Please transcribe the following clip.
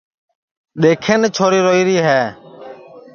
دؔیکھن چھوری روئیری ہے